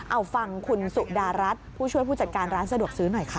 เอาฟังคุณสุดารัฐผู้ช่วยผู้จัดการร้านสะดวกซื้อหน่อยค่ะ